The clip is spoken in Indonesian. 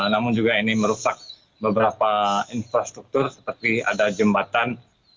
namun juga ini merusak beberapa infrastruktur seperti ada jembatan